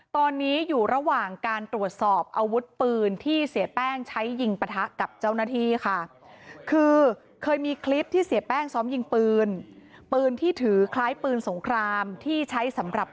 ตอนนี้อยู่ระหว่างการตรวจสอบอาวุธปืนที่เสียแป้งใช้ยิงปะทะกับเจ้าหน้าที่ค่ะ